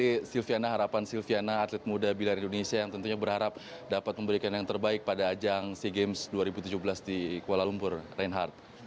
ini harapan silviana atlet muda bilar indonesia yang tentunya berharap dapat memberikan yang terbaik pada ajang sea games dua ribu tujuh belas di kuala lumpur reinhardt